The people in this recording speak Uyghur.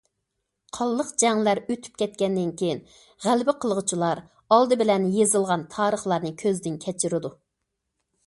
قانلىق جەڭلەر ئۆتۈپ كەتكەندىن كېيىن، غەلىبە قىلغۇچىلار ئالدى بىلەن يېزىلغان تارىخلارنى كۆزدىن كەچۈرىدۇ.